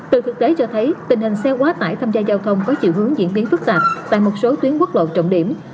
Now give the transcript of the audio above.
từ thực tế cho thấy tình hình xe quá tải tham gia giao thông có chiều hướng diễn biến phức tạp tại một số tuyến quốc lộ trọng điểm